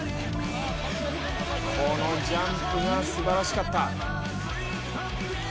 このジャンプがすばらしかった。